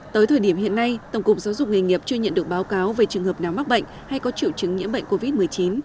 tới thời điểm hiện nay tổng cục giáo dục nghề nghiệp chưa nhận được báo cáo về trường hợp nào mắc bệnh hay có triệu chứng nhiễm bệnh covid một mươi chín